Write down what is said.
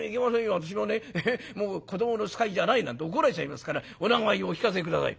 私もね子どもの使いじゃないなんて怒られちゃいますからお名前をお聞かせ下さい」。